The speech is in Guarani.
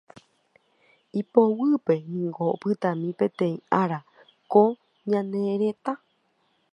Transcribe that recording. ipoguýpe niko opytami peteĩ árape ko ñane retã